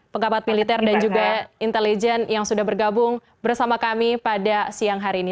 penggapat militer dan juga intelijen yang sudah bergabung bersama kami pada siang hari ini